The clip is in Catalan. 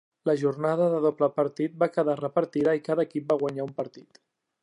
La jornada de doble partit va quedar repartida i cada equip va guanyar un partit.